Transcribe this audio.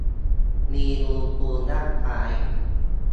มีอุณหภูมิร่างกาย